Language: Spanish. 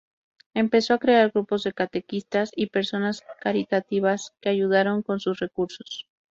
Empezó a crear grupos de catequistas y personas caritativas que ayudaron con sus recursos.